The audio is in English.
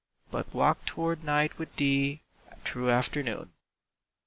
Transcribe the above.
But walk toward night with thee, through afternoon.